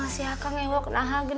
siapa yang berjalan jalan